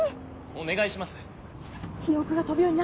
お願いします。